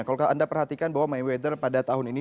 kalau anda perhatikan bahwa mayweather pada tahun ini